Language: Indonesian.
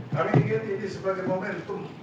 kami ingin ini sebagai momentum